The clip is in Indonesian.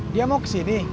dia mau kesini